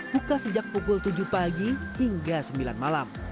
buka sejak pukul tujuh pagi hingga sembilan malam